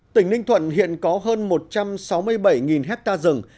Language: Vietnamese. tỉnh ninh thuận hiện có hơn một trăm sáu mươi bảy hectare rừng